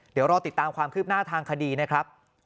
เดี๋ยวรอติดตามความคืบหน้าทางคดีนะครับ